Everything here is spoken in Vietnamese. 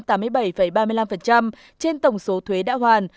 trên tổng số thuế đã hoàn